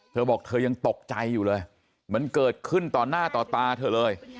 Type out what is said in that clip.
เธอบอกเธอยังตกใจอยู่เลยมันเกิดขึ้นต่อหน้าต่อตาเธอเลย